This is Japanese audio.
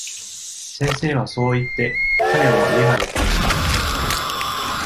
先生はそう言って、彼を家まで帰した。